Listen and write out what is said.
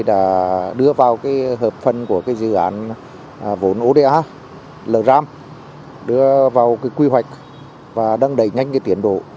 đã đưa vào hợp phần của dự án vốn oda ram đưa vào quy hoạch và đang đẩy nhanh tiến độ